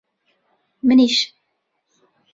منیش.